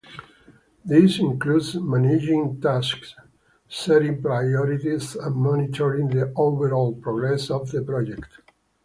This includes managing tasks, setting priorities, and monitoring the overall progress of the project.